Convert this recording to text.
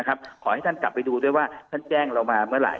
ขอให้ท่านกลับไปดูด้วยว่าท่านแจ้งเรามาเมื่อไห